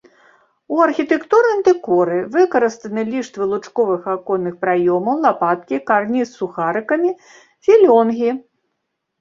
У архітэктурным дэкоры выкарыстаны ліштвы лучковых аконных праёмаў, лапаткі, карніз з сухарыкамі, філёнгі.